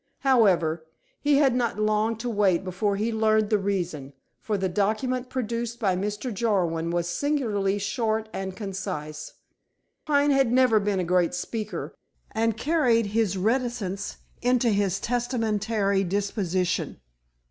However, he had not long to wait before he learned the reason, for the document produced by Mr. Jarwin was singularly short and concise. Pine had never been a great speaker, and carried his reticence into his testamentary disposition.